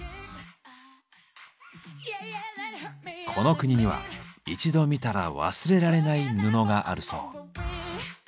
この国には一度見たら忘れられない布があるそう。